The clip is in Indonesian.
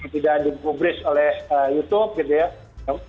tidak dipublis oleh youtube gitu ya